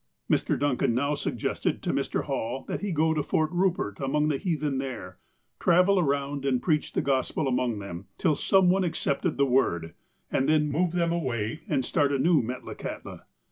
Mr. Duncan now suggested to Mr. Hall that he go to Fort Kupert, among the heathen there, travel around and preach the Gospel among them, till some one ac cepted the Word, and then move them away and start a new Metlakahtla.